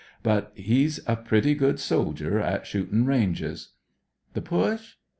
But 'e's a pretty good soldier at shootin' ranges. " The Push ?